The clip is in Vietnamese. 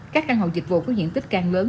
các căn hộ dịch vụ có diện tích càng lớn